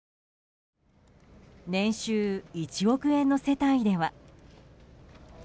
年収１億円の世帯では。